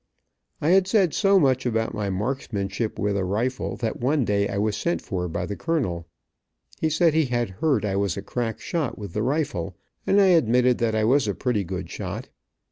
I had said so much about my marksmanship with a rifle, that one day I was sent for by the colonel. He said he had heard I was a crack shot with the rifle, and I admitted that I was a pretty good shot.